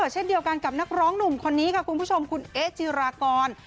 เช่นเดียวกันกับนักร้องหนุ่มคนนี้ค่ะคุณผู้ชมคุณเอ๊จิรากร